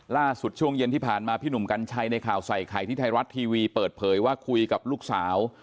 ช่วงเย็นที่ผ่านมาพี่หนุ่มกัญชัยในข่าวใส่ไข่ที่ไทยรัฐทีวีเปิดเผยว่าคุยกับลูกสาว